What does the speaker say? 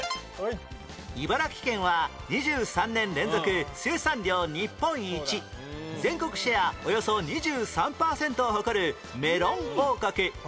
茨城県は２３年連続生産量日本一全国シェアおよそ２３パーセントを誇るメロン王国